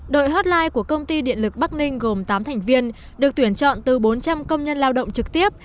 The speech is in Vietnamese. đội hotline của công ty điện lực bắc ninh gồm tám thành viên được tuyển chọn từ bốn trăm linh công nhân lao động trực tiếp